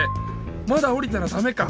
まだおりたらダメか。